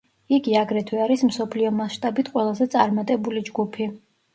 იგი აგრეთვე არის მსოფლიო მასშტაბით ყველაზე წარმატებული ჯგუფი.